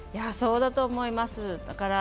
そうだと思います。